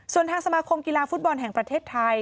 ส่วนทางสมาคมกีฬาฟุตบอลแห่งประเทศไทย